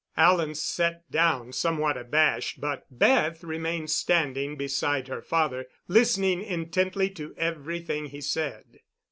Alan sat down somewhat abashed, but Beth remained standing beside her father, listening intently to everything he said.